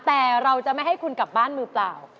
แต่เราจะไม่ให้คุณกลับบ้านมือเปล่า